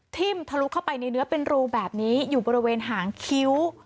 ทิ่มทะลุเข้าไปในเนื้อเป็นรูแบบนี้อยู่บริเวณหางคิ้ว